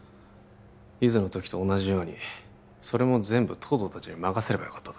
ゆづの時と同じようにそれも全部東堂達に任せればよかった